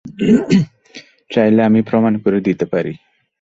চাইলে আমি প্রমাণ করে দিতে পারি।